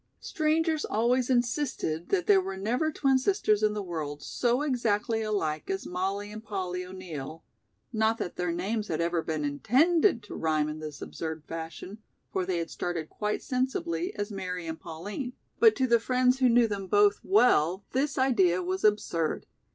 Strangers always insisted that there were never twin sisters in the world so exactly alike as Mollie and Polly O'Neill (not that their names had ever been intended to rhyme in this absurd fashion, for they had started quite sensibly, as Mary and Pauline), but to the friends who knew them both well this idea was absurd.